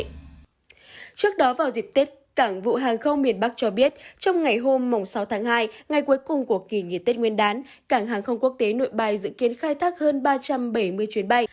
trước đó vào dịp tết cảng vụ hàng không miền bắc cho biết trong ngày hôm sáu tháng hai ngày cuối cùng của kỳ nghỉ tết nguyên đán cảng hàng không quốc tế nội bài dự kiến khai thác hơn ba trăm bảy mươi chuyến bay